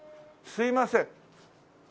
すいません。